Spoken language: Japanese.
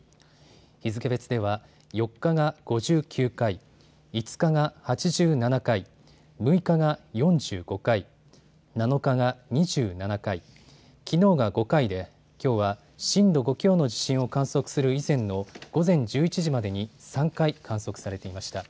日付別では４日が５９回、５日が８７回、６日が４５回、７日が２７回、きのうが５回できょうは震度５強の地震を観測する以前の午前１１時までに３回観測されていました。